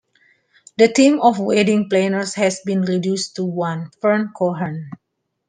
The team of wedding planners has been reduced to one: Fern Cohen.